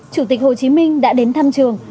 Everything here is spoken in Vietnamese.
chủ tịch hồ chí minh đã đến thăm trường